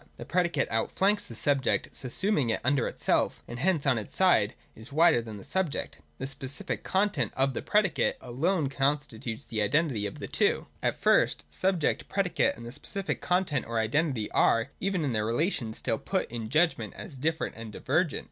The predicate outflanks the subject, subsuming it under itself: and hence on its side is wider than the subject. The specific content of the predicate (§ 169) alone con stitutes the identity of the two. 171.J At first, subject, predicate, and the specific con tent or the identity are, even in their relation, still put in the judgment as different and divergent.